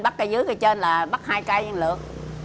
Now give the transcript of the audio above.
bắt cây dưới cây trên là bắt hai cây lượt